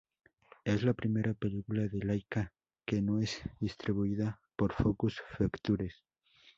Es la primera película de Laika que no es distribuida por Focus Features.